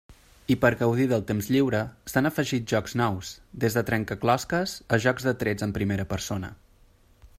I per gaudir del temps lliure s'han afegit jocs nous, des de trencaclosques a jocs de trets en primera persona.